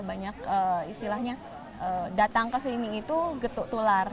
banyak istilahnya datang ke sini itu getuk tular